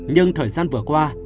nhưng thời gian vừa qua